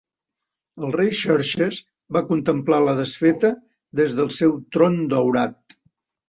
El rei Xerxes va contemplar la desfeta des del seu tron daurat.